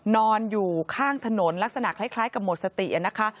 นอนอยู่ข้างถนนลักษณะคล้ายกับหมดสตินะคะ